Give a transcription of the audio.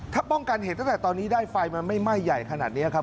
ถ้าป้องกันเหตุตั้งแต่ตอนนี้ได้ไฟมันไม่ไหม้ใหญ่ขนาดนี้ครับ